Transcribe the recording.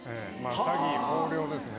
詐欺横領ですね。